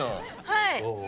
はい。